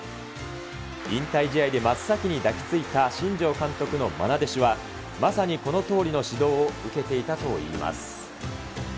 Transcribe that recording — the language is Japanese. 引退試合で真っ先に抱きついた新庄監督の愛弟子は、まさにこのとおりの指導を受けていたといいます。